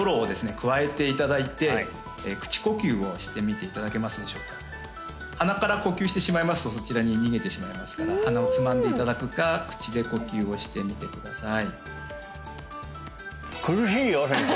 くわえていただいて口呼吸をしてみていただけますでしょうか鼻から呼吸してしまいますとそちらに逃げてしまいますから鼻をつまんでいただくか口で呼吸をしてみてください苦しいよ先生